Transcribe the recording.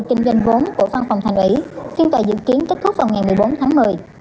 kinh doanh vốn của văn phòng thành ủy phiên tòa dự kiến kết thúc vào ngày một mươi bốn tháng một mươi